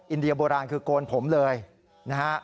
อินเดียโบราณคือโกนผมเลยนะฮะ